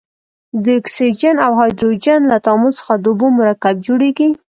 د اکسیجن او هایدروجن له تعامل څخه د اوبو مرکب جوړیږي.